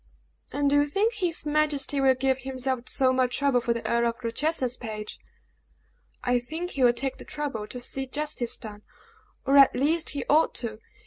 "And do you think his majesty will give himself so much trouble for the Earl of Rochester's page?" "I think he will take the trouble to see justice done, or at least he ought to.